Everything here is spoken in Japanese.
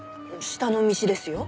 下の道ですよ。